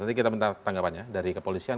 nanti kita minta tanggapannya dari kepolisian